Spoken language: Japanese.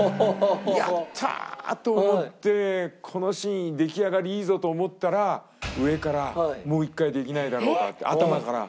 やったー！と思ってこのシーン出来上がりいいぞと思ったら上からもう一回できないだろうかって頭から。